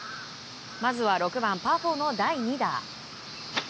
まずは６番、パー４の第２打。